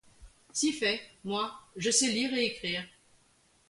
Si fait, moi, je sais lire et écrire.